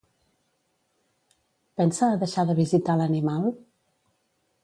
Pensa a deixar de visitar l'animal?